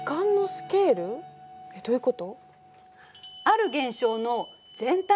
えっどういうこと？